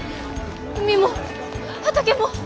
海も畑も！